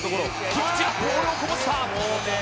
菊池ボールをこぼした。